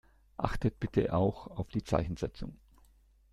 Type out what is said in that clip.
Achtet bitte auch auf die Zeichensetzung.